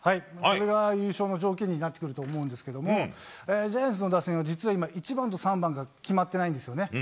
これが優勝の条件になると思うんですけどもジャイアンツの打線は１番と３番が決まってないんです。